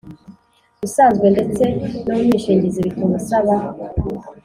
usanzwe ndetse n’umwishingizi bituma usaba